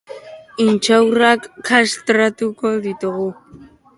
Intxaurrak kraskatuko ditugu.